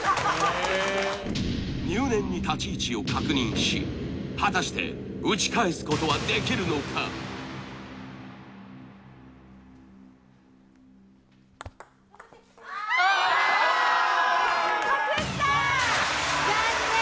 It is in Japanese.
入念に立ち位置を確認し果たして打ち返すことはできるのかかすった残念！